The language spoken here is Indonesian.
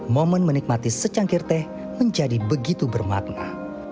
momen menikmati secangkir teh menjadi begitu bermakna